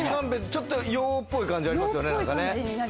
ちょっと洋っぽい感じありますね。